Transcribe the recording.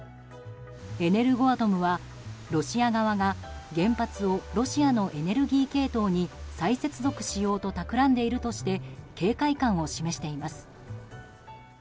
エネルゴアトムは、ロシア側が原発をロシアのエネルギー系統に再接続しようとたくらんでいるとして警戒感を示しています。